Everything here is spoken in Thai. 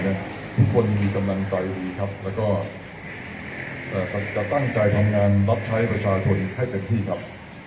ทุกคนมีกำลังใจดีครับแล้วก็จะตั้งใจทำงานรับใช้ประชาชนให้เต็มที่ครับ